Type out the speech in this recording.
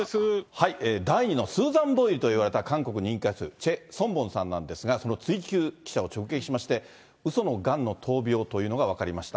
第２のスーザン・ボイルといわれた韓国の人気歌手、チェ・ソンボンさんなんですが、その追及者を直撃しまして、うそのがんの闘病というのが分かりました。